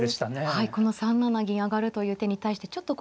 はいこの３七銀上という手に対してちょっと